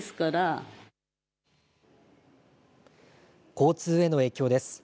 交通への影響です。